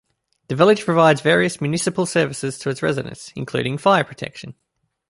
The village provides various municipal services to its residents including fire protection.